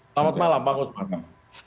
selamat malam bang usman